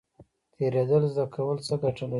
تیریدل زده کول څه ګټه لري؟